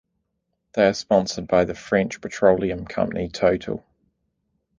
They are sponsored by French petroleum company Total.